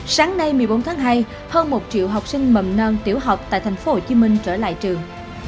sáng nay một mươi bốn tháng hai hơn một triệu học sinh mầm non tiểu học tại tp hcm trở lại trường